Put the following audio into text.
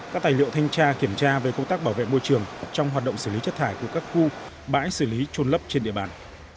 các tài liệu thanh tra kiểm tra về công tác bảo vệ môi trường trong hoạt động xử lý chất thải của các khu bãi xử lý trôn lấp trên địa bàn